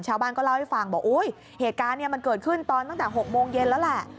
ชาวบ้านก็เล่าให้ฟังบอกอุ๊ยเหตุการณ์เนี่ยมันเกิดขึ้นตอนตั้งแต่๖โมงเย็นแล้วแหละ